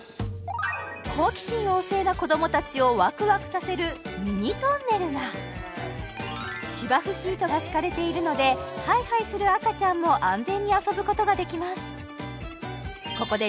好奇心旺盛な子どもたちをワクワクさせるミニトンネルが芝生シートが敷かれているのでハイハイする赤ちゃんも安全に遊ぶことができます